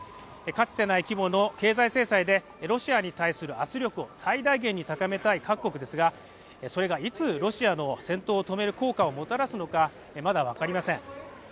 かつてない規模の経済制裁でロシアに対する圧力を高めたい各国ですがそれがいつロシアの戦闘を止める効果をもたらすのか、まだ分かりません。